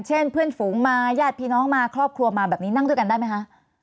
เช่นเพื่อนฝูงมาญาติพี่น้องมาครอบครัวมาแบบนี้นั่งด้วยกันได้ไหมคะ